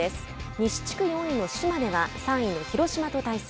西地区４位の島根は３位の広島と対戦。